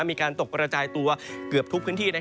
มีการตกกระจายตัวเกือบทุกพื้นที่